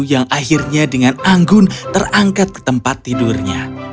yang akhirnya dengan anggun terangkat ke tempat tidurnya